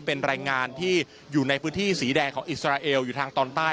เป็นรายงานที่อยู่ในพื้นที่สีแดงของอิสราเอลอยู่ทางตอนใต้